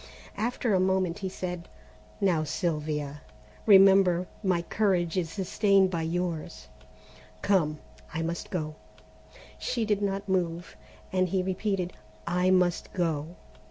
After a moment he said: "Now, Sylvia, remember my courage is sustained by yours. Come, I must go!" She did not move, and he repeated: "I must go."